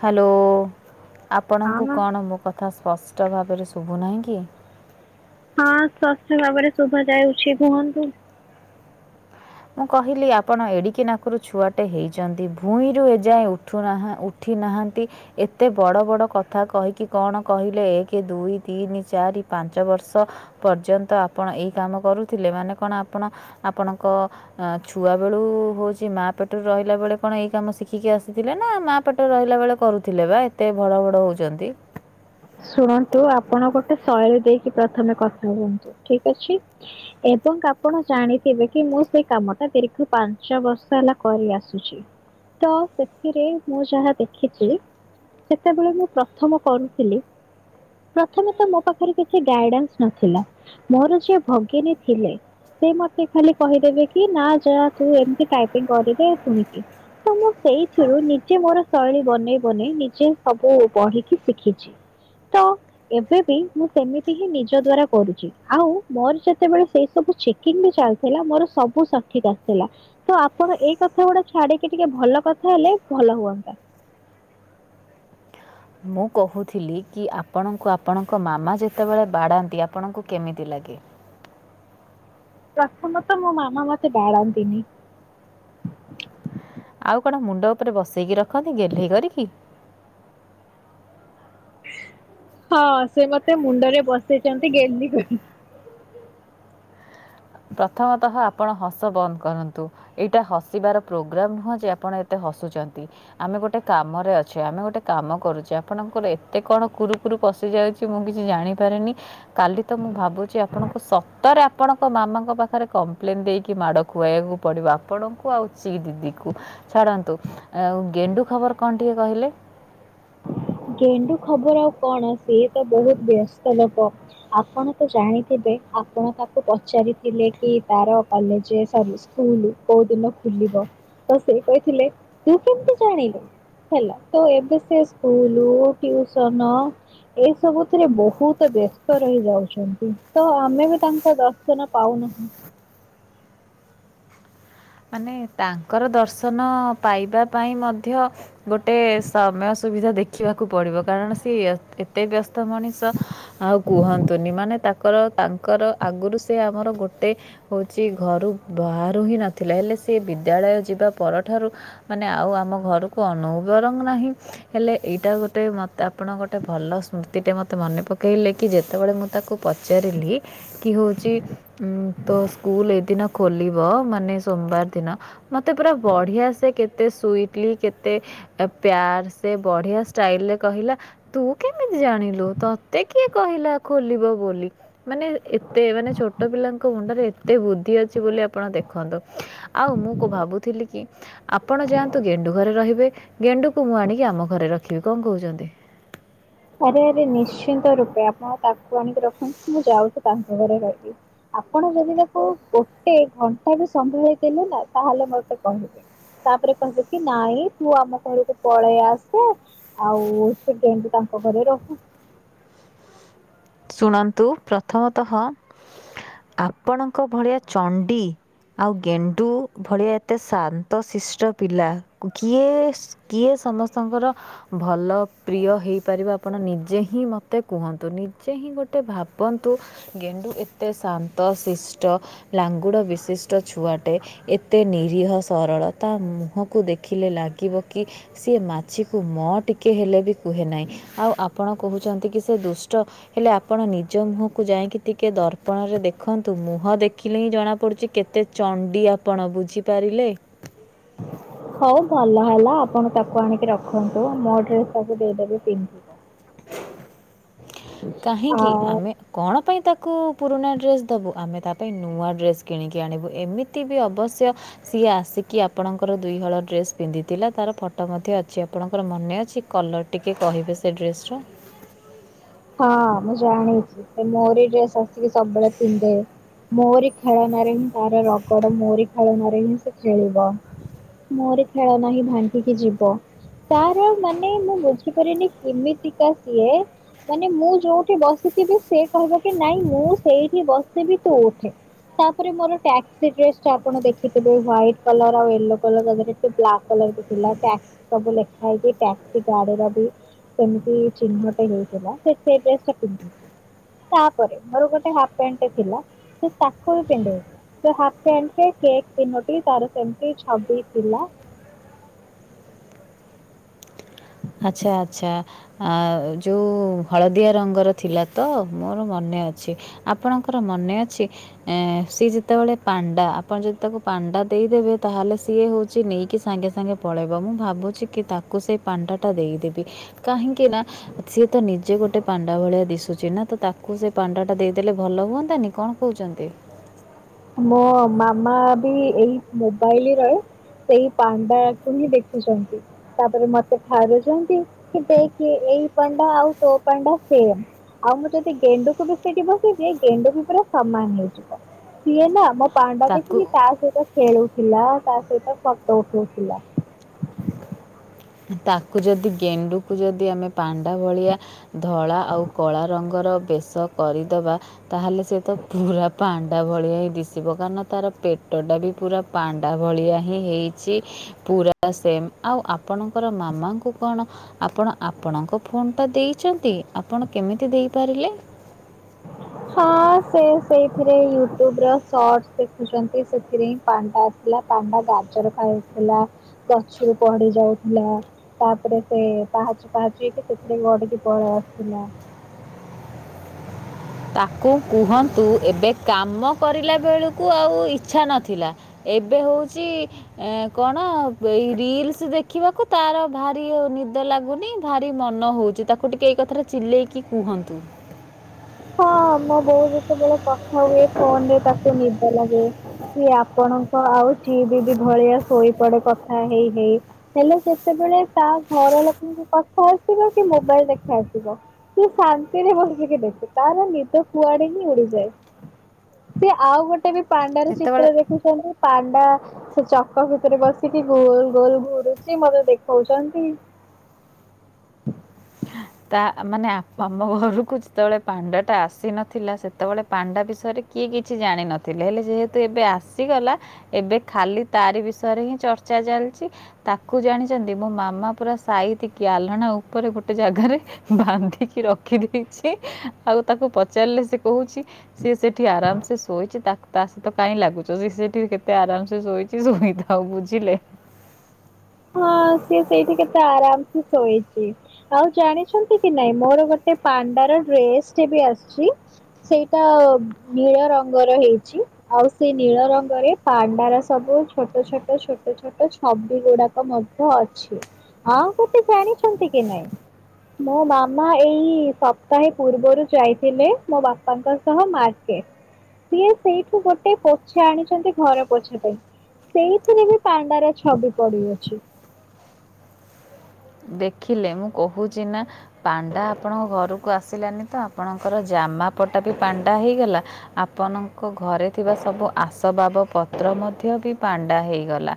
Hello ହଁ ଆପଣଙ୍କୁ କଣ ମୋ କଥା ତ ସ୍ପଷ୍ଟ ଭାବରେ ଶୁଭୁନାହିଁ କି? ହଁ ସ୍ପଷ୍ଟ ଭାବରେ ଶୁଭା ଯାଉଛି କୁହନ୍ତୁ ମୁଁ କହିଲି ଆପଣ ଏଡିକି ନାକରୁ ଛୁଆଟେ ହେଇଛନ୍ତି ଭୁଇଁରୁ ଏଯାଏଁ ଉଠୁନାହାଁ ଉଠୁ ଉଠି ନାହାନ୍ତି ଏତେ ବଡ ବଡ଼ କଥା କହିକି କଣ କହିଲେ ଏକ ଦୁଇ ତିନି ଚାରି ପାଞ୍ଚ ବର୍ଷ ପର୍ଯ୍ୟନ୍ତ ଆପଣ ଏଇ କାମ କରୁଥିଲେ ମାନେ କଣ ଆପଣ ଆପଣଙ୍କ ଛୁଆ ବେଳୁ ହଉଛି ମାଆ ପେଟରୁ ରହିଲା ବେଳେ କଣ ଏଇ କାମ ଶିଖିକି ଆସିଥିଲେ ନା ମା ପାଟ ରହିଲା ବେଳେ କରୁଥିଲେ ବା ଏତେ ଉଡ଼ ଉଡ଼ ହଉଚ଼ନ୍ତି। ଶୁଣନ୍ତୁ ଆପଣ ଗୋଟେ ଶୈଳୀ ଦେଇକି ପ୍ରଥମେ କଥା ହୁଅନ୍ତୁ ଠିକ୍ ଅଛି। ଏବଂ ଆପଣ ଜାଣିଥିବେ କି ମୁଁ ସେଇ କାମ ଟା ଦୀର୍ଘ ପାଞ୍ଚ ବର୍ଷ ହେଲା କରି ଆସୁଚି। ତ ସେଥିରେ ମୁଁ ଯାହା ଦେଖିଚି ସେତେବେଳେ ମୁଁ ପ୍ରଥମ କରୁଥିଲି ପ୍ରଥମେ ତ ମୋ ପାଖରେ କିଛି ଗାଇଡାନ୍ସ ନଥିଲା ମୋର ଯିଏ ଭଗିନୀ ଥିଲେ ସେ ମତେ ଖାଲି କହିଦେବେ କି ନା ଯା ତୁ ଏମତି ଟାଇପିଂ କରିଦେ ଶୁଣିକି ତ ମୁଁ ସେଇଥିରୁ ନିଜେ ମୋର ଶୈଳୀ ବନେଇ ବନେଇ ନିଜେ ସବୁ ପଢିକି ଶିଖିଚି। ତ ଏବେବି ମୁଁ ସେମିତି ହିଁ ନିଜ ଦ୍ଵାରା କରୁଚି ଆଉ ମୋର ଯେତେବେଳେ ସେଇ ସବୁ ଶି କିମି ଚାଲିଥିଲା ମୋର ସବୁ ସଠିକା ଥିଲା। ତ ଆପଣ ଏଇ କଥା ଗୁଡା ଛାଡିକି ଟିକେ ଭଲ କଥା ହେଲେ ଭଲ ହୁଅନ୍ତା। ମୁଁ କହୁଥିଲି କି ଆପଣଙ୍କୁ ଆପଣଙ୍କ ମାମା ଯେତେବେଳେ ବାଡ଼ାନ୍ତି ଆପଣଙ୍କୁ କେମିତି ଲାଗେ? ପ୍ରଥମତ ମୋ ମାମା ମତେ ବାଡ଼ାନ୍ତିନି। ଆଉ କଣ ମୁଣ୍ଡ ଉପରେ ବସେଇକି ରଖନ୍ତି ଗେ୍େଇ କରିକି ହଁ ସେ ମତେ ମୁଣ୍ଡରେ ବସେଇ ଚ଼ନ୍ତି ଗେହ୍ଲି କରି। ପ୍ରଥମତଃ ଆପଣ ହସ ବନ୍ଦ୍ କରନ୍ତୁ। ଏଇଟା ହସିବାର ପ୍ରୋଗ୍ରାମ୍ ନୁହେଁ ଯେ ଆପଣ ଏତେ ହସୁଚ଼ନ୍ତି। ଆମେ ଗୋଟେ କାମରେ ଅଛେ ଆମେ ଗୋଟେ କାମ କରୁଛେ ଆପଣଙ୍କର ଏତେ କଣ କୁରୁ ଉପରୁ ପଶି ଯାଉଚି ମୁଁ କିଛି ଜାଣିପାରେନି। କାଲି ତ ମୁଁ ଭାବୁଚି ଆପଣଙ୍କୁ ସତରେ ଆପଣଙ୍କ ମାମା ଙ୍କ ପାଖରେ କମ୍ପ୍ଲେନ୍ ଦେଇକି ମାଡ଼ ଖୁଆଇବାକୁ ପଡ଼ିବ ଆପଣଙ୍କୁ ଆଉ ସେ ଦିଦିକୁ। ଛାଡ଼ନ୍ତୁ ଆଉ ଗେଣ୍ଡୁ ଖବର କଣ ଟିକେ କହିଲେ? ଗେଣ୍ଡୁ ଖବର ଆଉ କଣ ସିଏ ତ ବହୁତ ବ୍ୟସ୍ତ ଲୋକ। ଆପଣ ତ ଜାଣିଥିବେ ଆପଣ ତାକୁ ପଚାରିଥିଲେ କି ତାର କଲେଜ ସ କୁଲ କୋଉ ଦିନ ଖୋଲିବ ତ ସେ କହିଥିଲେ ତୁ କେମିତି ଜାଣିଲୁ। ହେଲା ତ ଏବେ ସେ ସ୍କୁଲ ଟିଭସନ୍ ଏସବୁଥିରେ ବହୁତ ବ୍ୟସ୍ତ ରହି ଯାଉଛନ୍ତି ତ ଆମେ ବି ତାଙ୍କ ଦର୍ଶନ ପାଉନାହୁଁ। ମାନେ ତାଙ୍କର ଦର୍ଶନ ପାଇବା ପାଇଁ ମଧ୍ୟ ଗୋଟେ ସମୟ ସୁବିଧା ଦେଖିବାକୁ ପଡିବ କାରଣ ସିଏ ଏ ଏତେ ବ୍ୟସ୍ତ ମଣିଷ ଆଉ କୁହନ୍ତୁନି ମାନେ ତାଙ୍କର ତାଙ୍କର ଆଗରୁ ସେ ଆମର ଗୋଟେ ହଉଚି ଘରୁ ବାହାରୁ ହିଁ ନଥିଲା ହେଲେ ସେ ବିଦ୍ୟାଳୟ ଯିବା ପରଠାରୁ ମାନେ ଆଉ ଆମ ଘରକୁ ଅନଉବରଙ୍ଗ ନାହିଁ। ହେଲେ ଏଇଟା ଗୋଟେ ମତେ ଆପଣ ଗୋଟେ ଭଲ ସ୍ମୃତିଟେ ମତେ ମନେ ପକେଇଲେ କି ଯେତେବେଳେ ମୁଁ ତାକୁ ପଚାରିଲି କି ହୋଉଚି ତୋ ସ୍କୁଲ ଏଦିନ ଖୋଲିବ ମାନେ ସୋମବାର ଦିନ ମତେ ପୁରା ବଢିଆ ସେ କେତେ ସୁଟିଲି କେତେ ପ୍ୟାର ସେ ବଢିଆ ଷ୍ଟାଇଲ ରେ କହିଲା। ତୁ କେମିଜି ଜାଣିଲୁ ତତେ କିଏ କହିଲା ଖୋଲିବ ବୋଲି? ମାନେ ଏତେ ମାନେ ଛୋଟ ପିଲାଙ୍କ ମୁଣ୍ଡରେ ଏତେ ବୁଦ୍ଧି ଅଛି ବୋଲି ଆପଣ ଦେଖନ୍ତୁ। ଆଉ ମୁଁ କୋ ଭାବୁଥିଲି କି ଆପଣ ଯାଆନ୍ତୁ ଗେଣ୍ଡୁ ଘରେ ରହିବେ ଗେଣ୍ଡୁକୁ ମୁଁ ଆଣିକି ଆମ ଘରେ ରଖିବି କଣ କହୁଚ଼ନ୍ତି? ଆରେ ଆରେ ନିଶ୍ଚିନ୍ତ ରୂପେ ଆପଣ ତାକୁ ଆଣିକି ରଖନ୍ତୁ ମୁଁ ଯାଉଚି ତାଙ୍କ ଘରେ ରହିବି। ଆପଣ ଯଦି ତାକୁ ଗୋଟେ ଘଣ୍ଟା ବି ସମ୍ଭାଳିଦେଲେନା ତାହେଲେ ମୋତେ କହିବେ। ତାପରେ କହିବେ କି ନାଇଁ ତୁ ଆମ ଘରକୁ ପଳେଇ ଆସେ ଆଉ ସେ କେମତି ତାଙ୍କ ଘରେ ରହୁ। ଶୁଣନ୍ତୁ ପ୍ରଥମତଃ ଆପଣଙ୍କ ଭଳିଆ ଚଣ୍ଡି ଆଉ ଗେଣ୍ଡୁ ଭଳିଆ ଏତେ ଶାନ୍ତ ଶିଷ୍ଟ ପିଲା କିଏ କିଏ ସମସ୍ତଙ୍କର ଭଲ ପ୍ରିୟ ହେଇପାରିବ ଆପଣ ନିଜେ ହିଁ ମୋତେ କୁହନ୍ତୁ ନି। ଯେ ହିଁ ଗୋଟେ ଭାବନ୍ତୁ ଗେଣ୍ଡୁ ଏତେ ଶାନ୍ତ ଶିଷ୍ଟ। ଲାଙ୍ଗୁଡ଼ ବିଶିଷ୍ଟ ଛୁଆଟେ। ଏତେ ନିରୀହ ସରଳ ତା ମୁହଁକୁ ଦେଖିଲେ ଲାଗିବ କି? ସିଏ ମାଛିକୁ ମ ଟିକଏ ହେଲେ ବି କୁହେ ନାହିଁ। ଆଉ ଆପଣ କହୁଛନ୍ତି କି ସେ ଦୁଷ୍ଟ। ହେଲେ ଆପଣ ନିଜ ମୁହଁକୁ ଯାଇକି ଟିକିେ ଦର୍ପଣରେ ଦେଖନ୍ତୁ ମୁହଁ ଦେଖିଲେ ହିଁ ଜଣାପଡ଼ୁଛି କେତେ ଚଣ୍ଡି ଆପଣ ବୁଝିପାରିଲେ। ହଉ ଭଲ ହେଲା ଆପଣ ତାକୁ ଆଣିକି ରଖନ୍ତୁ ଆ ମୋ ଡ୍ରେସ ତାକୁ ଦେଇଦେବି ପିନ୍ଧ ଆ କାହିଁକି ଆମେ କଣ ପାଇଁ ତାକୁ ପୁରୁଣା ଡ୍ରେସ୍ ଦେବୁ ଆମେ ତା ପାଇଁ ନୂଆ ଡ୍ରେସ୍ କିଣିକି ଆଣିବୁ ଏମିତି ବି ଅବଶ୍ୟ ସିଏ ଆସିକି ଆପଣଙ୍କର ଦୁଇହଳ ଡ୍ରେସ୍ ପିନ୍ଧିଥିଲା ତାର ଫଟୋ ମଧ୍ୟ ଅଛି ଆପଣଙ୍କର ମନେ ଅଛି କଲର। ଟିକିଏ କହିବେ ସେ ଡ୍ରେସ୍ରା। ହଁ ମୁଁ ଜାଣିଛି ସେ ମୋରି ଡ୍ରେସ୍ ଆସିକି ସବୁବେଳେ ପିନ୍ଧେ। ମୋରି ଖେଳନାରେ ହିଁ ତାର ରକଡ ମୋରି ଖେଳନରେ ହିଁ ସେ ଖେଳିବ। ମୋର ଖେଳ ନାହିଁ ଭାଙ୍ଗିକି ଯିବ। ତାର ମାନେ ମୁଁ ବୁଝିପାରିନି କେମିତିକା ସିଏ? ମାନେ ମୁଁ ଯୋଉଠି ବସିଥିବି ସେ କହିବ କି ନାଇଁ ମୁଁ ସେଇଠି ବସିବି ତୋଠି। ତାପରେ ମୋର ଟ୍ୟାକ୍ସି ଡ୍ରେସ୍ ଟା ଆପଣ ଦେଖିଥିବେ ହ୍ୱାଇଟ କଲର ଆଉ ୟେଲୋ କଲରହରେ ଟିକେ ବ୍ଲାକ୍ କଲର। ଥିଲା ଟକ୍ସ ସବୁ ଲେଖା ହେଇଛି ଟ୍ୟାକ୍ସ ଗାଡିର ବି ସେମିତି ଚିହ୍ନଟ ହେଇଛି। ସେ ସେଡ ଟା ତାପରେ ମୋର ଗୋଟେ ହାଫ ପ୍ୟାଣ୍ଟ ଥିଲା ସେ ତାକୁ ବି ପିନ୍ଧଥିଲା। ସେ ତିନୋଟି ତାର ସେମିତି ଛବିଶ ଥିଲା। ଆଚ୍ଛା ଆଚଛା। ଆ ଯେଉଁ ହଳଦିଆ ରଙ୍ଗର ଥିଲା ତ ମୋର ମନେ ଅଛି? ଆପଣଙ୍କର ମନେ ଅଛି। ଏ ସିଏ ଯେତେବେଳେ ପାଣ୍ଡା ଆପଣ ଯଦି ତାକୁ ପାଣ୍ଡା ଦେଇଦେବେ ତାହେଲେ ସିଏ ହଉଛି ସେ ନେଇକି ସାଙ୍ଗେ ସାଙ୍ଗେ ପଳେଇବ ମୁଁ ଭାବୁଛି କି ତାକୁ ସେଇ ପାଣିଟା। ଦେଇଦେବି କାହିଁକି ନା ସିଏ ତ ନିଜେ ଗୋଟେ ପାଣ୍ଡା ଭଳିଆ ଦିଶୁଛି ନା ତ ତା। ତା କୁ ସେ ପାଣ୍ଡାଟା ଦେଇଦେଲେ ଭଲ ହୁଅନ୍ତାନି କଣ କହୁଛନ୍ତି। ମୋ ମାମା ବି ଏଇ ମୋବାଇଲ ରେ ସେଇ ପାଣ୍ଡାକୁ ହିଁ ଦେଖୁଛନ୍ତି। ତାପରେ ମତେ ଠାରୁଛନ୍ତି କି ଦେଖ ଏଇ ପାଣ୍ଡା ଆଉ ତୋ ପାଣ୍ଡା ସେମ୍। ଆଉ ମୁଁ ଯଦି ଗେଣ୍ଡୁକୁ ବି ସେଇଠି ବସେଇଦିଏ ଗେଣ୍ଡୁ ବି ପୁରା ସମାନ ହେଇଯିବ। ସିଏ ନା ମୋ ପାଣ୍ଡା ଦେଖିକି ତାକୁ ତା ସହିତ ଖେଳୁଥିଲା ତା ସହିତ ଫଟୋ ଉଠଉଥିଲା। ତାକୁ ଯଦି ଗେଣ୍ଡୁକୁ ଯଦି ଆମେ ପାଣ୍ଡା ଭଳିଆ ଧଳା ଆଉ କଳା ରଙ୍ଗର ବେଶ କରିଦବା ତାହେଲେ ସେ ତ ପୁରା ପାଣ୍ଡା ଭଳିଆ ହେଇ ଦିଶିବ କାରଣ ତାର ପେଟ ଟା ବି ପୁରା ପାଣ୍ଡା ଭଳିଆ ହିଁ ହେଇଛି ପୁରା ସେମ୍ ଆଉ ଆପ ଆପଣଙ୍କର ମାମାଙ୍କୁ କଣ ଆପଣ ଆପଣଙ୍କ ଫୋନ୍ଟା ଦେଇଛନ୍ତି ଆପଣ କେମିତି ଦେଇପାରିଲେ? ହଁ ସେ ସେଇଥିରେ ୟୁଟ୍ୟୁବ ର ସର୍ଟସ୍ ଦେଖୁଛନ୍ତି ସେଥିରେ ହିଁ ପାଣ୍ଡା ଥିଲା ପାଣ୍ଡା ଗାଜର ଖାଉଥିଲା ଗଛରୁ ପଡିି ଯାଉଥିଲା। ତାପରେ ସେ ପାହାଚ ପାହାଚ ହେଇକି ସେଥିରେ ଗଡିକି ପଳେଇ ଆସିଥିଲା। ତାକୁ କୁହନ୍ତୁ ଏବେ କାମ କରିଲା ବେଳକୁ ଆଉ ଇଚ୍ଛା ନଥିଲା। ଏବେ ହଉଛି ଏ କଣ ଏଇ ରିଲସ ଦେଖିବାକୁ ତାର ଭାରି ନିଦ ଲାଗୁନି ଭାରି ମନ ହଉଛି ତାକୁ ଟିକେ ଏଇ କଥାଟା ଚିଲେଇକି କୁହନ୍ତୁ। ହଁ ମୋ ବୋଉ ଯେତେବେଳେ କଥା ହୁଏ ଫୋନ ରେ ତାତେ ନିଦ ଲାଗେ କି ଆପଣ ଆଉ ଚି ଦିଦି ଭଳିଆ ଶୋଇପଡେ କଥା ହେଇ-ହେଇ। ହେଲେ ସେତେବେଳେ ତା ଘର ଲୋକଙ୍କୁ କଥା ଆସିବ କି ମୋବାଇଲ ଦେଖା ଆସିବ। ସିଏ ଶାନ୍ତିରେ ବସିକି ଦେଖୁଚି। ତାର ନିଦ କୁଆଡେ ହିଁ ଉଡିଯାଏ, ସେ ଆଉ ଗୋଟେ ବି ପାଣ୍ଡାର ଯେତେବେଳେ ଚିତ୍ର ଦେଖୁଛନ୍ତି। ପାଣ୍ଡା ସେ ଚକ ଭିତରେ ବସିକି ଗୋଲ ଗୋଲ ଘୁରୁଛି ମତେ ଦେଖଉଛନ୍ତି। ତା ମାନେ ଆମ ଘରକୁ ଯେତେବେଳେ ପାଣ୍ଡା ଟା ଆସିନଥିଲା ସେତେବେଳେ ପାଣ୍ଡା ବିଷୟରେ କିଏ କିଛି ଜାଣିନଥିଲେ ହେଲେ ଯେହେତୁ ଏବେ ଆସିଗଲା ଏବେ ଖାଲି ତାରି ବିଷୟରେ ହିଁ ଚର୍ଚ୍ଚା ଚାଲିଛି। ତାକୁ ଜାଣିଛନ୍ତି ମୋ ମାମା ପୁରା ସାଇତିକି ଆଲଣା ଉପରେ ଗୋଟେ ଗୋଟେ ଜାଗାରେ ବାନ୍ଧିକି ରଖି ଦେଇଛି ଆଉ ତାକୁ ପଚାରିଲେ ସେ କହୁଛି ସିଏ ସେଠି ଆରାମ ସେ ଶୋଇଛି ତା ତା ସହିତ କାଇଁ ଲାଗୁଛ ସେ ସେଠି କେତେ ଆରାମ୍ସେ ଶୋଇଚି। ସେ ଶୋଇଥାଉ ବୁଝିଲେ। ହଁ ସିଏ ସେଇଠି କେତେ ଆରାମ ସେ ଶୋଇଛି। ଆଉ ଜାଣିଛନ୍ତି କି ନାଇଁ ମୋର ଗୋଟେ ପାଣ୍ଡାର ଡ୍ରେସ ଟେ ବି ଆସିଛି। ସେଇଟା ନୀଳ ରଙ୍ଗର ହେଇଛି। ଆଉ ସେଇ ନୀଳ ରଙ୍ଗରେ ପାଣ୍ଡାର ସବୁ ଛୋଟ-ଛୋଟ ଛୋଟ-ଛୋଟ ଛବି ଗୁଡାକ ମଧ୍ୟ ଅଛି ଆଉ ଗୋଟେ ଜାଣିଛନ୍ତି କି ନାଇଁ ମୋ ମାମା ଏଇ ସପ୍ତାହେ ପୂର୍ବରୁ ଯାଇଥିଲେ ମୋ ବାପାଙ୍କ ସହ ମାର୍କେଟ। ସିଏ ସେଇଠୁ ଗୋଟେ ପୋଛା ଆଣିଛନ୍ତି ଘର ପୋଛା ପାଇଁ। ସେଇଥିରେ ବି ପାଣ୍ଡାର ଛବି ପଡିଅଛି। ଦେଖିଲେ ମୁଁ କହୁଛି ନା ପାଣ୍ଡା ଆପଣଙ୍କ ଘରକୁ ଆସିଲାନି ତ ଆପଣଙ୍କର ଜାମାପଟା ବି ପାଣ୍ଡା ହେଇଗଲା। ଆପଣଙ୍କ ଘରେ ଥିବା ସବୁ ଆସବାବ ପତ୍ର ମଧ୍ୟ ବି ପାଣ୍ଡା ହେଇଗଲା।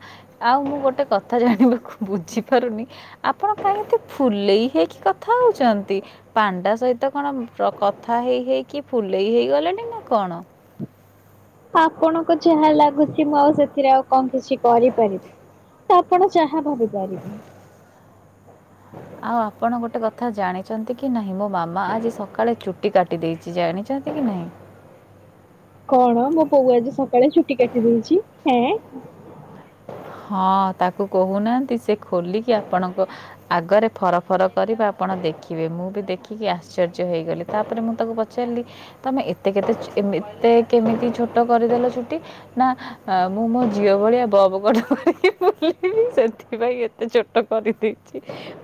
ଆଉ ମୁଁ ଗୋଟେ କଥା ଜାଣିବାକୁ ବୁଝିପାରୁନି। ଆପଣ କାଇଁ ଏତେ ଫୁଲେଇ ହେଇକି କଥା ହେଉଛନ୍ତି? ପାଣ୍ଡା ସହିତ କଣ କଥା ହେଇ ହେଇକି ଫୁଲେଇ ହେଇଗଲେଣି ନା କଣ। ଆପଣଙ୍କୁ ଯାହା ଲାଗୁଛି ମୁଁ ଆଉ ସେଥିରେ ଆଉ କଣ କିଛି କରିପାରିବି। ତ ଆପଣ ଯାହା ଭାବିପାରିବେ। ଆଉ ଆପଣ ଗୋଟେ କଥା ଜାଣିଛନ୍ତି କି ନାହିଁ ମୋ ମାମା ଆଜି ସକାଳେ ଚୁଟି କାଟି ଦେଇେଇଛି ଜାଣିଛନ୍ତି କି ନାହିଁ? କଣ ମୋ ପୋଉ ଆଜି ସକାଳେ ଛୁଟି କାଟି ଦେଇେଇଛିଁ ହଁ ତାକୁ କହୁନାହାନ୍ତି ସେ ଖୋଲିକି ଆପଣଙ୍କ ଆଗରେ ଫର ଫର କର ଆପଣ ଦେଖିବେ ମୁଁ ବି ଦେଖିକି ଆଶ୍ଚର୍ଯ୍ୟ ହେଇଗଲି ତାପରେ ମୁଁ ତାକୁ ପ ଚ ଚାାରିଲି ତମେ ଏତେ କେତେ ଏତେ କେମିତି ଛୋଟ କରିଦେଲ ଛୁଟି ନା ମୁଁ ମୋ ଝିଅ ଭଳିଆ ବବଗଡ କରି ବ ସେଥିପାଇଁ ଏତେ ଛୋଟ କରିଦେଇଛି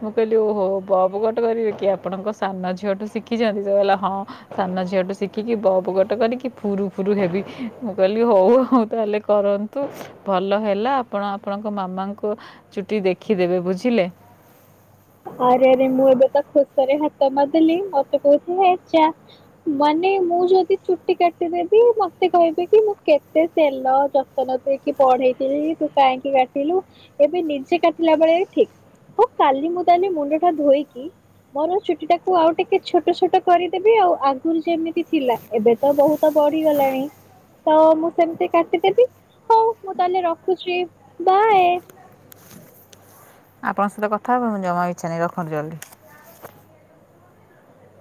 ମୁଁ କହିଲି ଓହୋ ବପ ଗୋଟେ କରିବି କି ଆପଣଙ୍କ ସାନ ଝିଅଠୁ ଶିଖିଛନ୍ତି ସେ କହିଲା ହଁ ସାନ ଝିଅଠୁ ଶିଖିକି ବବଗଟ କରିକି ଫୁରୁ ଫୁରୁ ହେବି ମୁଁ କହିଲି ହଉ ହଉ ତାହେଲେ କରନ୍ତ ତୁ ଭଲ ହେଲା ଆପଣ ଆପଣଙ୍କ ମାମାଙ୍କ ଚୁଟି ଦେଖିଦେବେ ବୁଝିଲେ ଆରେ ଆରେ ମୁଁ ଏବେ ତ ଖୁସ ରେ ହାତ ମଧଲିି ମତେ କୋଉଠି ହେଇଛା ମାନେ ମୁଁ ଯଦି ଚୁଟି କାଟିଦେବି ମତେ କହିବେ କି ମୁଁ କେତେ ତେଲ ନ ଦେଇଇକି ପଢେଇଥିଲି ତୁ କାହିଁକି କାଟିଲୁ ଏବେ ନିଜେ କାଟିଲା ବେଳେ ଠିକ ହ କାଲି ମୁୋତାଲି ମୁଣ୍ଡ ଟା ଧୋଇକି ମୋର ଛୁଟି ଟାକୁ ଆଉ ଟିକେ ଛୋଟ ଛୋଟ କରିଦେବି ଆଉ ଆଗରୁ ଯେମିତି ଥିଲା ଏବେ ତ ବହୁତ ବଢିଗଲାଣି ତ ମୁଁ ସେମିତି କାଟିଦେବି ହଉ ମୁଁ ତାହେଲେ ରଖୁଛି ବାଏ ଆପଙ୍କହିତଥାବ ମୁଁ ଜମା ଇଚ୍ଛା ନେଇ ରଖନ୍ତୁ ଜଲଦି